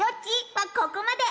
はここまで。